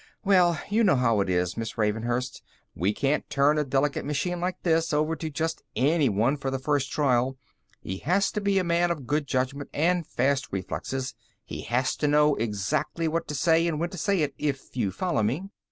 "Well, you know how it is, Miss Ravenhurst; we can't turn a delicate machine like this over to just anyone for the first trial. He has to be a man of good judgment and fast reflexes. He has to know exactly what to say and when to say it, if you follow me."